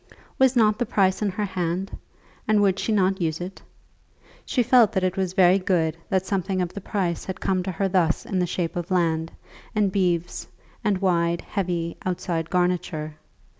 Was not the price in her hand, and would she not use it? She felt that it was very good that something of the price had come to her thus in the shape of land, and beeves, and wide, heavy outside garniture.